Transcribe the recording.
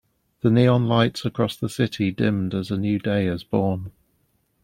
The neon lights across the city dimmed as a new day is born.